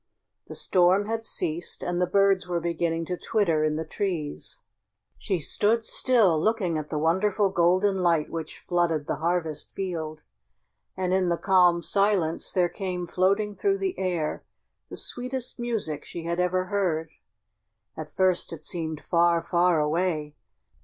The storm had ceased and the birds were beginning to twitter in the trees. She stood still, looking at the wonderful golden light which flooded the harvest field. And in the calm silence there came floating through the air the sweetest music she had ever heard. At first it seemed far, far away.